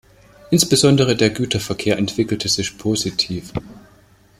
Insbesondere der Güterverkehr entwickelte sich positiv.